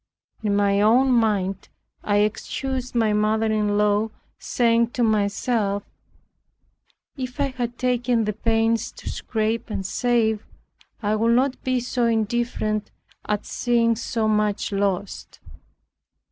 In my own mind I excused my mother in law, saying to myself, "If I had taken the pains to scrape and save, I would not be so indifferent at seeing so much lost.